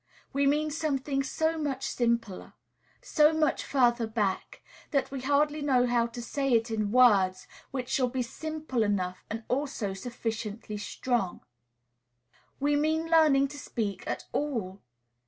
We mean something so much simpler, so much further back, that we hardly know how to say it in words which shall be simple enough and also sufficiently strong. We mean learning to speak at all!